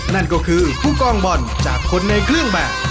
นั่นก็คือผู้กองบอลจากคนในเครื่องแบบ